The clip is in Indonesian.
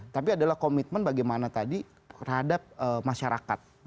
tapi adalah komitmen bagaimana tadi terhadap masyarakat